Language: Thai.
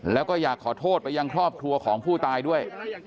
แล้วก็อยากขอโทษไปยังครอบครัวของผู้ตายด้วย